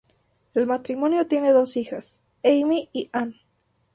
El matrimonio tiene dos hijas, Amy y Anne.